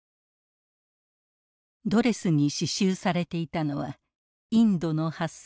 ドレスに刺しゅうされていたのはインドの蓮